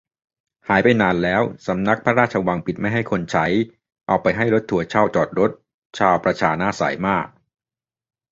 หายไปนานแล้ว สำนักพระราชวังปิดไม่ให้คนใช้ เอาไปให้รถทัวร์เช่าจอดรถ ชาวประชาหน้าใสมาก